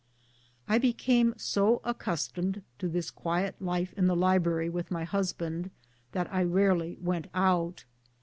I became so accustomed to this quiet life in the library with my husband that I rarely went out.